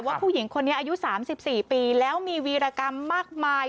ผู้หญิงคนนี้อายุ๓๔ปีแล้วมีวีรกรรมมากมาย